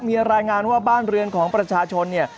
มีรายงานว่าบ้านเรือนของประชาชนเนี่ย